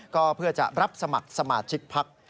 ก็เพื่อจะรับสมัครสมาชิกพัก